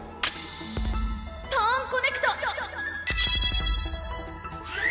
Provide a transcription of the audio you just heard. トーンコネクト！